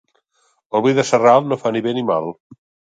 El vi de Sarral no fa ni bé ni mal.